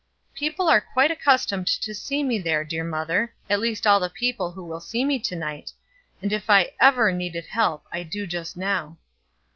"People are quite accustomed to see me there, dear mother, at least all the people who will see me to night; and if ever I needed help I do just now."